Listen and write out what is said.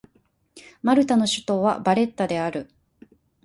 マルタの首都はバレッタである